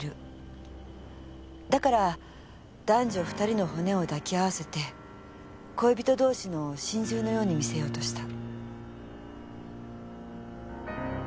だから男女２人の骨を抱き合わせて恋人同士の心中のように見せようとした。